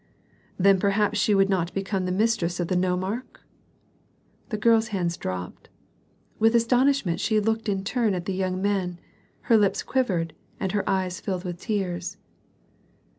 "Then perhaps she would not become the mistress of the nomarch?" The girl's hands dropped. With astonishment she looked in turn at the young men; her lips quivered, and her eyes filled with tears.